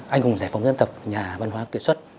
anh hùng giải phóng dân tộc nhà văn hóa kiệt xuất